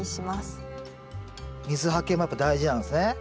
水はけもやっぱ大事なんですね。